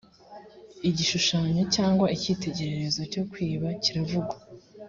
igishushanyo cyangwa icyitegererezo cyo kwiba kiravugwa